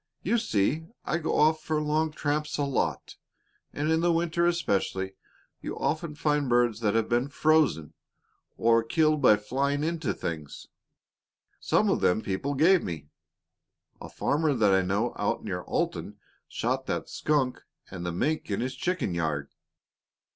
You see, I go off for long tramps a lot, and in the winter especially you often find birds that have been frozen, or killed by flying into things. Some of them people gave me. A farmer that I know out near Alton shot that skunk and the mink in his chicken yard.